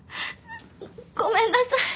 ごめんなさい。